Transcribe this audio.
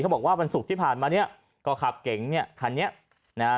บอกว่าวันศุกร์ที่ผ่านมาเนี่ยก็ขับเก๋งเนี่ยคันนี้นะฮะ